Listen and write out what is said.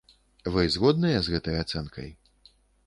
Вы згодныя з гэтай ацэнкай?